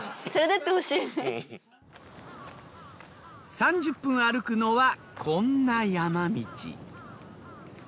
３０分歩くのはこんな山道。